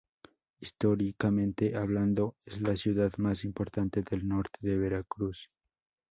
Históricamente hablando es la ciudad más importante del norte de Veracruz.